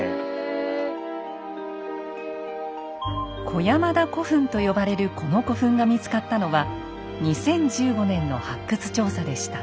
小山田古墳と呼ばれるこの古墳が見つかったのは２０１５年の発掘調査でした。